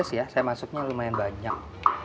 saya masuknya lumayan banyak